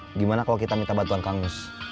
bagaimana kalau kita minta bantuan kang nus